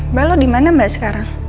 mbak lo dimana mbak sekarang